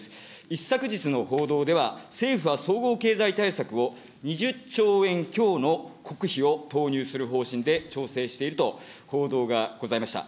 一昨日の報道では、政府は総合経済対策を２０兆円強の国費を投入する方針で調整していると報道がございました。